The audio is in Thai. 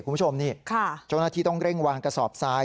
คุณผู้ชมนี่เจ้าหน้าที่ต้องเร่งวางกระสอบทราย